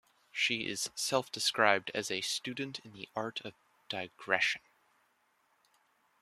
She is self-described as a "student in the art of digression".